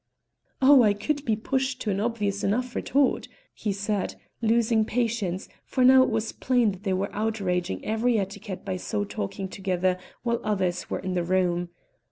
"Oh, I could be pushed to an obvious enough retort," he said, losing patience, for now it was plain that they were outraging every etiquette by so long talking together while others were in the room.